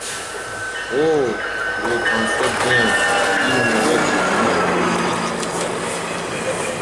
Oh ! je le pensais bien, Bill m'aurait deviné plus vite que ça.